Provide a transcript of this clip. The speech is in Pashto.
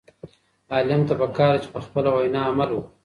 عالم ته پکار ده چې په خپله وینا عمل وکړي.